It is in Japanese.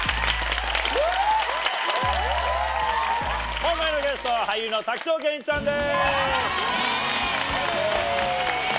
今回のゲストは俳優の滝藤賢一さんです！